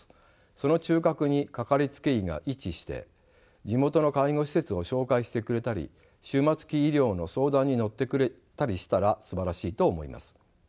その中核にかかりつけ医が位置して地元の介護施設を紹介してくれたり終末期医療の相談に乗ってくれたりしたらすばらしいと思います。